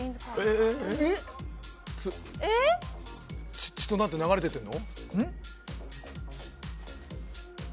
血となって流れていってるの。